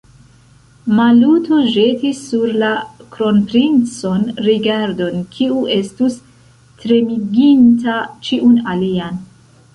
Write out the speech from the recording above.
Maluto ĵetis sur la kronprincon rigardon, kiu estus tremiginta ĉiun alian.